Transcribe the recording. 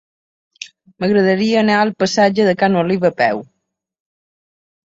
M'agradaria anar al passatge de Ca n'Oliva a peu.